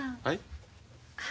はい？